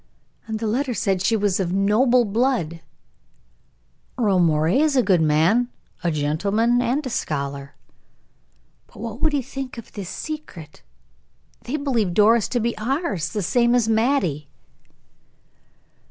"And the letter said she was of noble blood." "Earle Moray is a good man, a gentleman, a scholar." "But what would he think of this secret? They believe Doris to be ours, the same as Mattie."